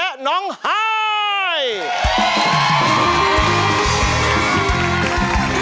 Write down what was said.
สวัสดีค่ะ